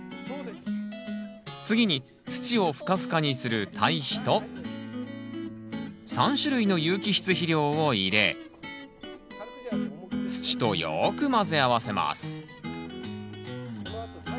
次に土をふかふかにする堆肥と３種類の有機質肥料を入れ土とよく混ぜ合わせます